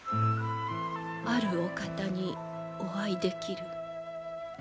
あるお方にお会いできる。